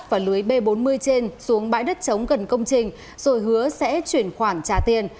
và lưới b bốn mươi trên xuống bãi đất chống gần công trình rồi hứa sẽ chuyển khoản trả tiền